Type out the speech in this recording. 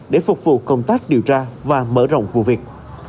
để phục vụ công tác điều tra và mở rộng vụ việc